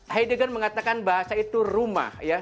heidegger mengatakan bahasa itu rumah